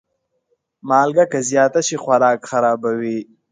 مالګه که زیاته شي، خوراک خرابوي.